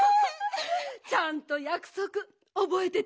ちゃんとやくそくおぼえてたのね。